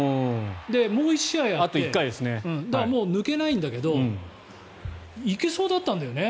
もう１試合あってもう抜けないんだけど行けそうだったんだよね。